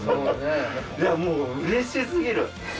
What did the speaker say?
いやもううれし過ぎる！